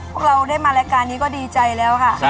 พวกเราได้มารายการนี้ก็ดีใจแล้วค่ะ